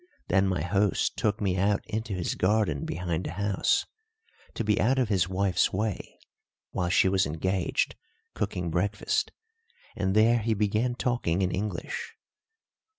Then my host took me out into his garden behind the house to be out of his wife's way while she was engaged cooking breakfast, and there he began talking in English.